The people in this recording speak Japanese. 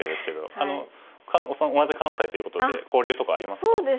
同じ関西ということで交流とかありますか？